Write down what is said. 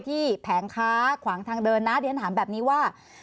แผงค้าขวางทางเดินนะเดี๋ยวฉันถามแบบนี้ว่า